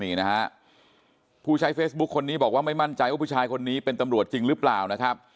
นี่นะฮะผู้ใช้เฟซบุ๊คคนนี้บอกว่าไม่มั่นใจว่าผู้ชายคนนี้เป็นตำรวจจริงหรือเปล่านะครับ